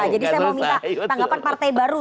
jadi saya mau minta tanggapan partai baru